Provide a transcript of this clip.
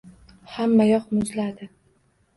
Hammayoq muzladi.